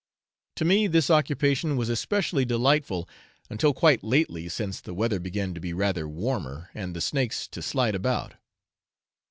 To me this occupation was especially delightful until quite lately, since the weather began to be rather warmer and the snakes to slide about.